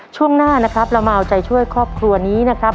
ช่วงหน้านะครับเรามาเอาใจช่วยครอบครัวนี้นะครับ